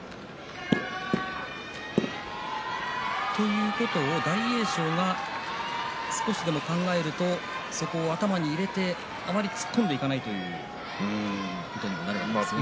そういうことを大栄翔が少しでも考えて頭に入れてあまり突っ込んでいかないということになりますかね。